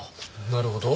なるほど。